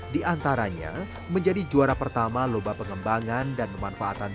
di antaranya menjadi juara pertama lomba pengembangan dan pemanfaatan